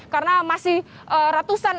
karena masih ratusan